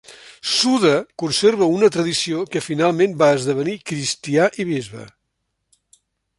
Suda conserva una tradició que Finalment va esdevenir cristià i bisbe.